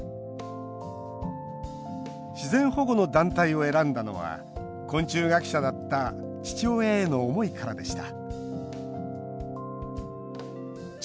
自然保護の団体を選んだのは昆虫学者だった父親への思いからでした